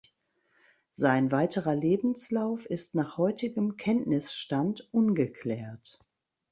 Sein weiterer Lebenslauf ist nach heutigem Kenntnisstand ungeklärt.